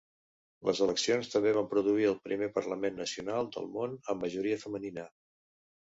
Les eleccions també van produir el primer parlament nacional del món amb majoria femenina.